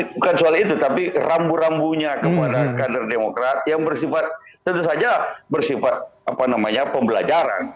bukan soal itu tapi rambu rambunya kepada kader demokrat yang bersifat tentu saja bersifat pembelajaran